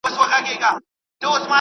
که وخت وي، موټر کاروم،